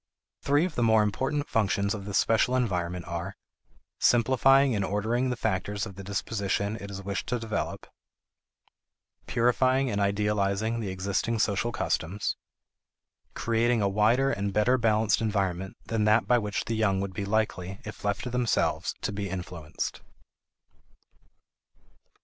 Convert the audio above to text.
Three of the more important functions of this special environment are: simplifying and ordering the factors of the disposition it is wished to develop; purifying and idealizing the existing social customs; creating a wider and better balanced environment than that by which the young would be likely, if left to themselves, to be influenced.